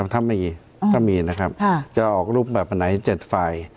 ถ้าไม่มีจะออกรูปแบบไหน๗ฝ่าย